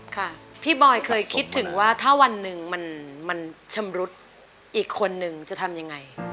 ค่ะพี่บอยเคยคิดถึงว่าถ้าวันหนึ่งมันชำรุดอีกคนนึงจะทำยังไง